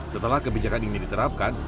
setelah kebijakan ini diterapkan